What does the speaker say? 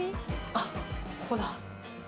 あっここだ。